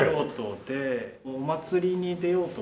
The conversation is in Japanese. お祭りに出ようと。